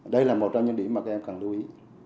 đây là một trong những điểm mà các em cần lưu ý